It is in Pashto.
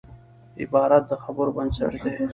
عبارت د خبرو بنسټ دئ.